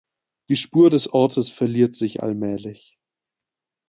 Die Spur des Ortes verliert sich allmählich.